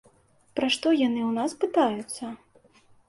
Пра што яны ў нас пытаюцца?